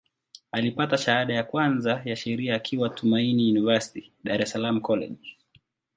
Alipata shahada ya kwanza ya Sheria akiwa Tumaini University, Dar es Salaam College.